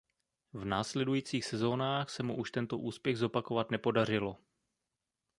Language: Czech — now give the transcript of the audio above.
V následujících sezonách se mu už tento úspěch zopakovat nepodařilo.